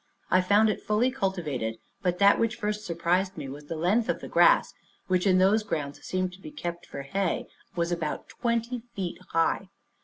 I found it fully cultivated; but that which first surprised me was the length of the grass, which, in those grounds that seemed to be kept for hay, was about twenty feet high.